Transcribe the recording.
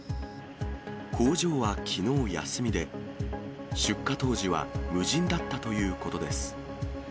工場はきのう休みで、出火当時は無人だったということです。